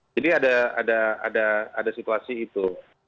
jadi ada situasi itu